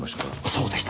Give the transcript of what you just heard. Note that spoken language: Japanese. そうでした！